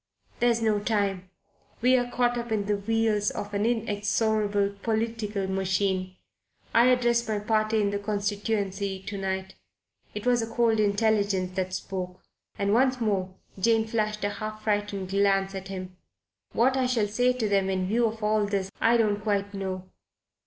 There's no time. We're caught up in the wheels of an inexorable political machine. I address my party in the constituency to night." It was a cold intelligence that spoke, and once more Jane flashed a half frightened glance at him. "What I shall say to them, in view of all this, I don't quite know.